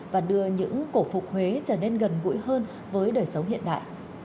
và đưa những cổ phục huế trở nên gần gũi hơn với đời sống hiện đại